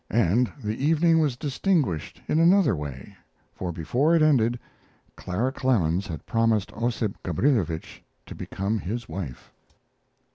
And the evening was distinguished in another way, for before it ended Clara Clemens had promised Ossip Gabrilowitsch to become his wife.